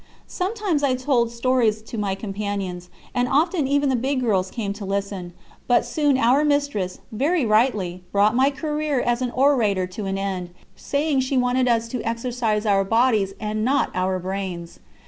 Sometimes I told stories to my companions, and often even the big girls came to listen; but soon our mistress, very rightly, brought my career as an orator to an end, saying she wanted us to exercise our bodies and not our brains.